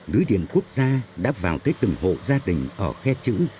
lưới điện quốc gia đã vào tới từng hộ gia đình ở khe chữ